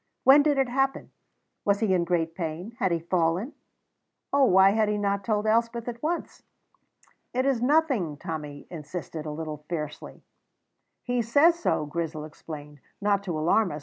When did it happen? Was he in great pain? Had he fallen? Oh, why had he not told Elspeth at once? "It is nothing," Tommy insisted, a little fiercely. "He says so," Grizel explained, "not to alarm us.